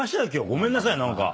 ごめんなさい何か。